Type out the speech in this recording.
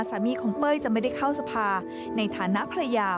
สามีของเป้ยจะไม่ได้เข้าสภาในฐานะภรรยา